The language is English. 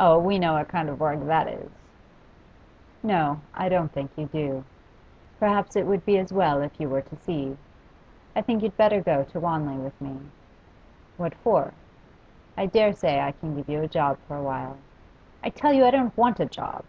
'Oh, we know what kind of work that is!' 'No, I don't think you do. Perhaps it would be as well if you were to see. I think you'd better go to Wanley with me.' 'What for?' 'I dare say I can give you a job for awhile.' 'I tell you I don't want a job.